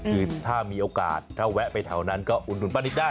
คือถ้ามีโอกาสถ้าแวะไปแถวนั้นก็อุดหนุนป้านิตได้